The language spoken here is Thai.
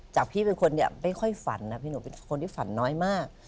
พี่เป็นคนเนี่ยไม่ค่อยฝันนะพี่หนูเป็นคนที่ฝันน้อยมาก